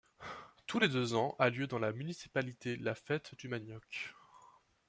Tous les deux ans a lieu dans la municipalité la Fête du manioc.